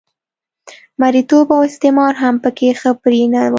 مریتوب او استثمار هم په کې ښه پرېنه و